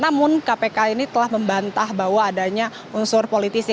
namun kpk ini telah membantah bahwa adanya unsur politisi